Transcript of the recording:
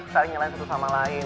saling nyalahin satu sama lain